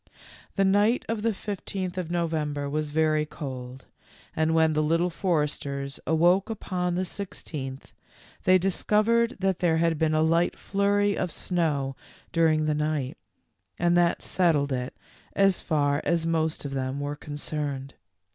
The night of the fifteenth of November was very cold, and when the Little Foresters awoke upon the sixteenth, they discovered that there had been a light flurry of snow during the night, and that settled it as far as most of them were concerned.